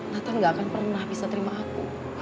nathan gak akan pernah bisa terima aku